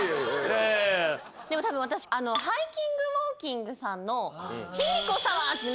でもたぶん私ハイキングウォーキングさんの。